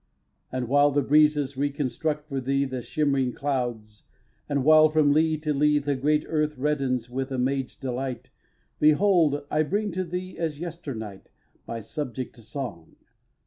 ii. And while the breezes re construct for thee The shimmering clouds; and while, from lea to lea, The great earth reddens with a maid's delight, Behold! I bring to thee, as yesternight, My subject song.